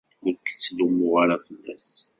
Ur k-ttlummuɣ ara fell-as.